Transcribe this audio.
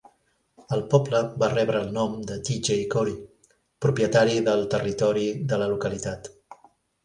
El poble va rebre el nom de D. J. Cory, propietari del territori de la localitat.